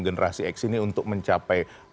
generasi x ini untuk mencapai